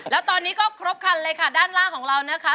แล้วตอนนี้ก็ครบคันเลยค่ะด้านล่างของเรานะคะ